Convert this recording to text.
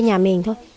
nhà mình thôi